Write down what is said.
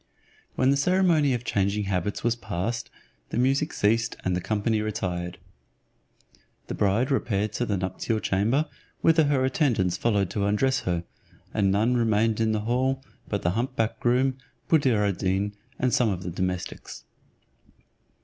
When the ceremony of changing habits was passed, the music ceased and the company retired. The bride repaired to the nuptial chamber, whither her attendants followed to undress her, and none remained in the hall but the hump back groom, Buddir ad Deen, and some of the domestics.